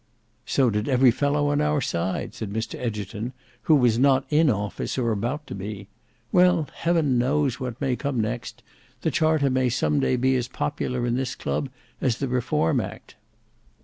"So did every fellow on our side," said Mr Egerton, "who was not in office or about to be. Well, Heaven knows what may come next. The Charter may some day be as popular in this club as the Reform Act."